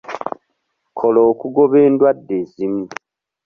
Kola okugoba endwadde ezimu.